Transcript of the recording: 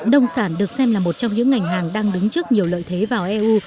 nông sản được xem là một trong những ngành hàng đang đứng trước nhiều lợi thế vào eu